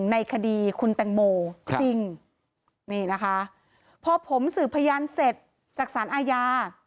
ในคดีคุณแตงโมจริงนี่นะคะพอผมสืบพยานเสร็จจากสารอาญา